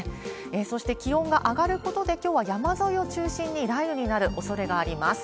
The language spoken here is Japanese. そして気温が上がることできょうは山沿いを中心に雷雨になるおそれがあります。